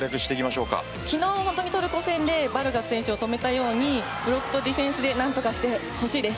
昨日、トルコ戦でバルガス選手を止めたようにブロックとディフェンスで何とかしてほしいです。